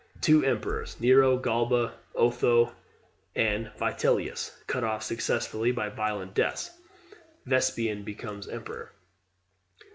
The emperors Nero, Galba, Otho, and Vitellius, cut off successively by violent deaths. Vespasian becomes emperor.